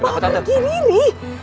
mau pergi diri